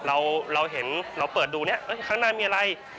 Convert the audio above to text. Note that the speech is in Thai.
เราเห็นเราเปิดดูเนี่ยข้างหน้ามีอะไร